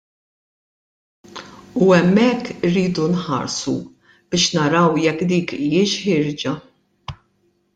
U hemmhekk irridu nħarsu biex naraw jekk dik hijiex ħierġa.